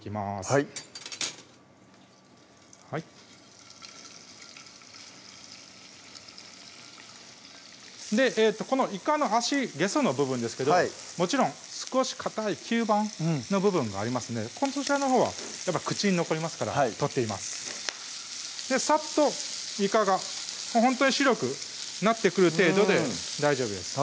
はいこのいかの足げその部分ですけどもちろん少しかたい吸盤の部分がありますのでそちらのほうは口に残りますから取っていますさっといかがほんとに白くなってくる程度で大丈夫です